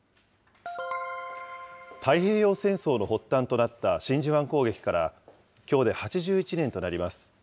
太平洋戦争の発端となった真珠湾攻撃から、きょうで８１年となります。